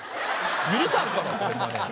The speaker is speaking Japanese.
許さんからホンマに。